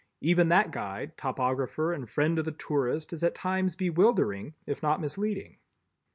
Even that guide, topographer and friend of the tourist is at times bewildering, if not misleading.